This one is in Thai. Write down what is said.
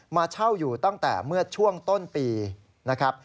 มาเช่าอยู่ตั้งแต่เมื่อช่วงต้นปีนะครับ